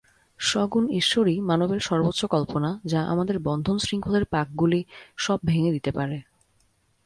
সগুণ ঈশ্বরই মানবের সর্বোচ্চ কল্পনা, যা আমাদের বন্ধন-শৃঙ্খলের পাবগুলি সব ভেঙে দিতে পারে।